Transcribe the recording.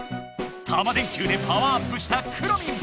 タマ電Ｑでパワーアップしたくろミン！